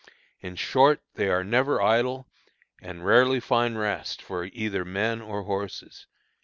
In short, they are never idle, and rarely find rest for either men or horses."